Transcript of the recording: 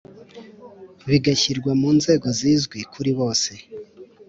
bigashyirwa mu nzego zizwi kuri bose